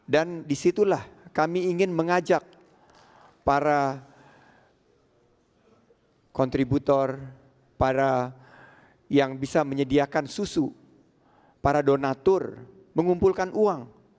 disitulah kami ingin mengajak para kontributor yang bisa menyediakan susu para donatur mengumpulkan uang